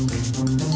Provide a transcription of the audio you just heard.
iya rumah gue